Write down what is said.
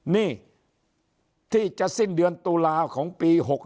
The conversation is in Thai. นี่ที่จะสิ้นเดือนตุลาของปี๖๖